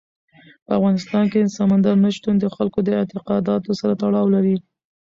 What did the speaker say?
په افغانستان کې سمندر نه شتون د خلکو د اعتقاداتو سره تړاو لري.